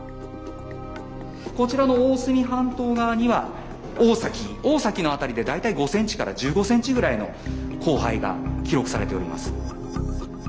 こちらの大隅半島側には大崎の辺りで大体５センチから１５センチぐらいの降灰が記録されております。